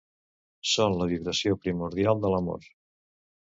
Són la vibració primordial de l'amor.